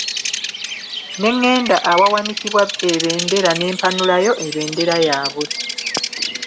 Ne ngenda awawanikibwa ebendera ne mpanulayo ebendera yaabwe.